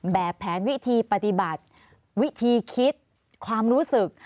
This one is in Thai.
แบบแผนวิธีปฏิบัติวิธีคิดความรู้สึก